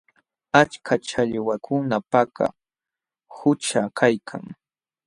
Achka challwakuna Paka qućha kaykan.